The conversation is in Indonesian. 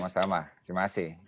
sama sama terima kasih